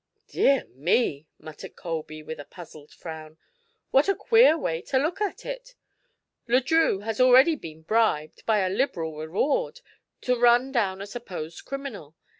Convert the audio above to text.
"Dear me!" muttered Colby, with a puzzled frown. "What a queer way to look at it. Le Drieux has already been bribed, by a liberal reward, to run down a supposed criminal.